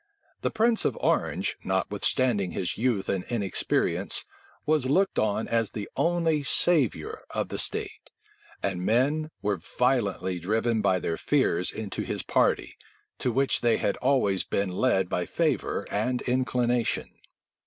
The prince of Orange, notwithstanding his youth and inexperience, was looked on as the only savior of the state; and men were violently driven by their fears into his party, to which they had always been led by favor and inclination.